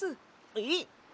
えっ？